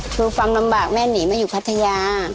ดูความลำบากแม่หนีมาอยู่พัทยา